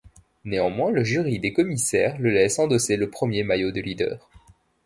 Néanmoins, le jury des commissaires le laisse endosser le premier maillot de leader.